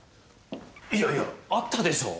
いやいやあったでしょう。